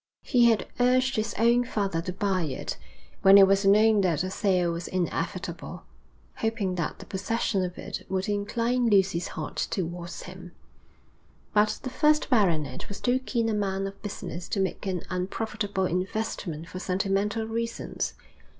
He had urged his own father to buy it, when it was known that a sale was inevitable, hoping that the possession of it would incline Lucy's heart towards him; but the first baronet was too keen a man of business to make an unprofitable investment for sentimental reasons.